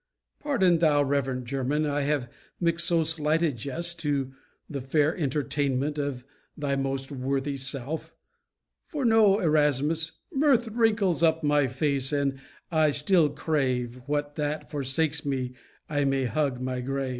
Pardon, thou reverent German, I have mixed So slight a jest to the fair entertainment Of thy most worthy self; for know, Erasmus, Mirth wrinkles up my face, and I still crave, When that forsakes me I may hug my grave.